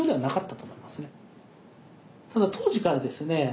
ただ当時からですね